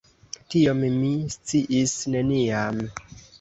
Tion mi sciis neniam.